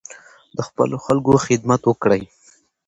د خپلو خلکو خدمت وکړئ.